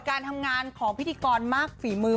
การทำงานของพิธีกรมากฝีมือ